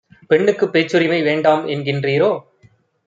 "பெண்ணுக்குப் பேச்சுரிமை வேண்டாம்என் கின்றீரோ?